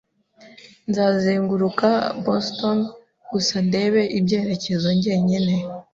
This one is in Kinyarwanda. Nzazenguruka Boston gusa ndebe ibyerekezo njyenyine.